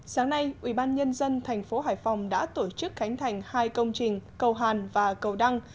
sáng nay ubnd tp hải phòng đã tổ chức khánh thành hai công trình cầu hàn và cầu đăng